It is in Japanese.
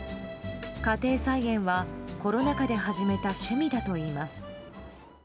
家庭菜園はコロナ禍で始めた趣味だといいます。